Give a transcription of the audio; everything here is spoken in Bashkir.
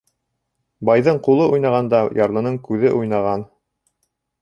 Байҙың ҡулы уйнағанда, ярлының күҙе уйнаған.